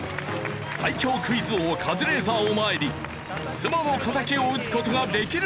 最強クイズ王カズレーザーを前に妻の敵を討つ事ができるのか？